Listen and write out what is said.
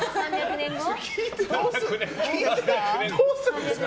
聞いてどうするんですか？